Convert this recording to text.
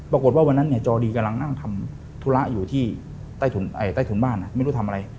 วันนั้นจอดีกำลังนั่งทำธุระอยู่ที่ใต้ถุนบ้านไม่รู้ทำอะไร